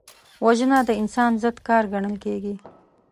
وژنه د انسان ضد کار ګڼل کېږي